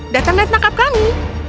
datang dan tangkap kami